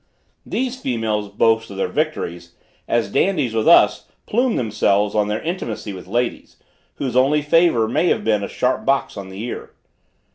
These females boast of their victories, as dandies, with us, plume themselves on their intimacy with ladies, whose only favor may have been a sharp box on the ear.